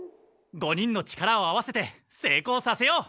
５人の力を合わせてせいこうさせよう！